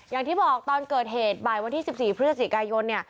อย่างที่บอกตอนเกิดเหตุบ่ายวันที่๑๔พฤศจิกายน